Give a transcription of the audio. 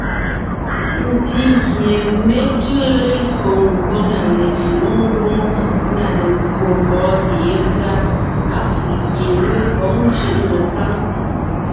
Ntí gie mé tʉʉ lelÿò ńgÿo na lejʉ̌ʼ ngwóŋ na lekwò mbɔ́ɔntè yépʉ́a, á fʉ̀ʼ gie mé vɔ̌g ńjʉ́ʼ ngesáŋ.